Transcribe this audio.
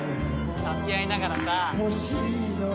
助け合いながらさ。